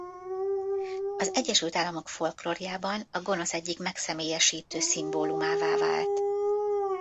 Az Egyesült Államok folklórjában a gonosz egyik megszemélyesítő szimbólumává vált.